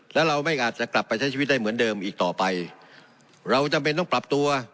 แล้วเราไม่อาจจะกลับไปใช้ชีวิตได้เหมือนเดิมอีกต่อไปเราจำเป็นต้องปรับตัว